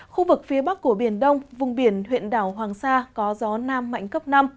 khu vực phía bắc của biển đông vùng biển huyện đảo hoàng sa có gió nam mạnh cấp năm